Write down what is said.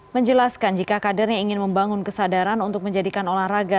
menjelaskan jika kadernya ingin membangun kesadaran untuk menjadikan olahraga